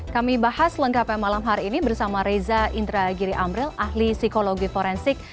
kami bahas lengkapnya malam hari ini bersama reza indragiri amril ahli psikologi forensik